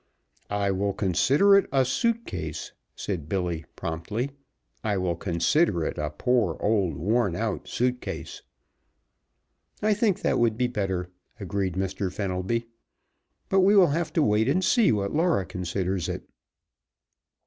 "I will consider it a suit case," said Billy promptly. "I will consider it a poor old, worn out suit case." "I think that would be better," agreed Mr. Fenelby. "But we will have to wait and see what Laura considers it."